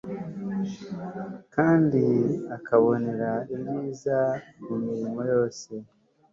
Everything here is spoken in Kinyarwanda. kandi akabonera ibyiza mu mirimo yose